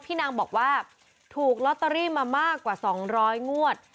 นางบอกว่าถูกลอตเตอรี่มามากกว่า๒๐๐งวด